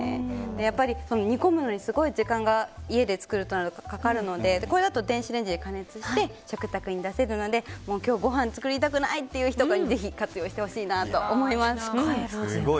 やっぱり、煮込むのにすごい時間が家で作るとなるとかかるのでこれだと電子レンジで加熱して食卓に出せるので今日、ごはん作りたくないという日にぜひ活用してほしいと思います。